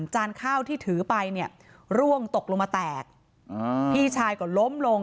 จานข้าวที่ถือไปเนี่ยร่วงตกลงมาแตกพี่ชายก็ล้มลง